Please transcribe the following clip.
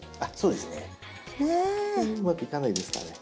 うまくいかないですかね。